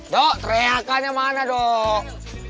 dok teriakannya mana dok